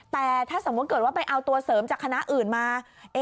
แต่ถ้าสมมุติเกิดว่าไปเอาตัวเสริมจากคณะอื่นมา